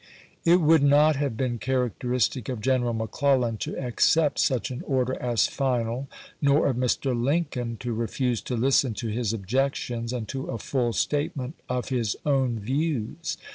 It would not have been characteristic of General McClellan to accept such an order as final, nor of Mr. Lincoln to refuse to listen to his objections and to a full statement of his own views.